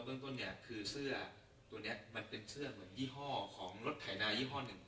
ตัวนี้มันเป็นเสื้อเหมือนยี่ห้อของรถไถนายี่ห้อ๑